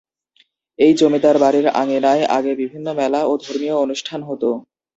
এই জমিদার বাড়ির আঙ্গিনায় আগে বিভিন্ন মেলা ও ধর্মীয় অনুষ্ঠান হতো।